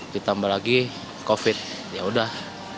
ditambah lagi covid yaudah